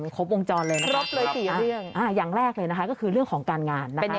ครบวงจรเลยนะครับอย่างแรกเลยก็คือเรื่องของการงาน